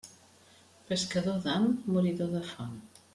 Pescador d'ham, moridor de fam.